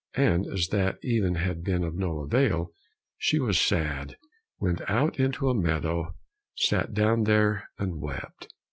And as that even had been of no avail, she was sad, went out into a meadow, sat down there, and wept.